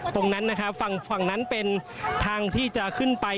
ตรงนั้นนะครับฝั่งนั้นเป็นทางที่จะขึ้นไป